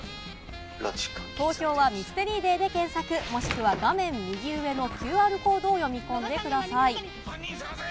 投票はミステリーデイで検索、もしくは画面右上のＱＲコードを読み込んでください。